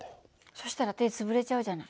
そしたら手潰れちゃうじゃない。